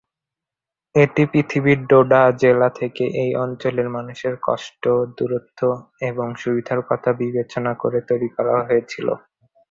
এটি পূর্ববর্তী ডোডা জেলা থেকে এই অঞ্চলের মানুষের কষ্ট, দূরত্ব এবং সুবিধার কথা বিবেচনা করে তৈরি করা হয়েছিল।